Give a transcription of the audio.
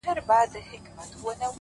وه كلي ته زموږ راځي مـلـنگه ككـرۍ؛